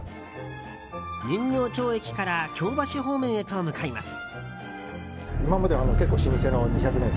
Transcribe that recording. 人形町駅から京橋方面へと向かいます。